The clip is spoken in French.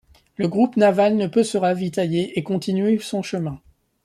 Le groupe naval ne peut se ravitailler et continue son chemin.